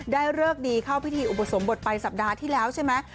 เลิกดีเข้าพิธีอุปสมบทไปสัปดาห์ที่แล้วใช่ไหม